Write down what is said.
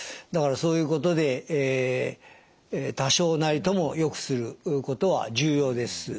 だからそういうことで多少なりともよくすることは重要です。